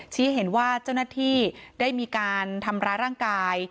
เห็นว่าเจ้าหน้าที่ได้มีการทำร้ายร่างกาย